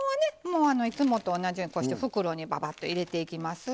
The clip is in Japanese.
もうあのいつもと同じようにこうして袋にババッと入れていきます。